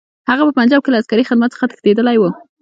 هغه په پنجاب کې له عسکري خدمت څخه تښتېدلی وو.